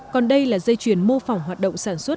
còn đây là dây chuyền mô phỏng hoạt động sản xuất